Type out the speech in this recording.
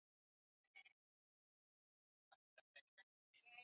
na mbili mwezi wa kumi na mbili mwaka elfu moja mia tisa sitini ni